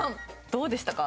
どうでしたか？